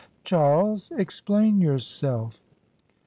" Charles, explain yourself."